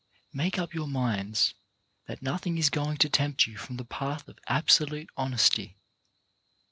Make up your minds that nothing is going to tempt you from the path of absolute honesty.